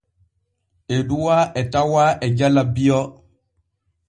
Eduwaa e tawaa e jala Bio.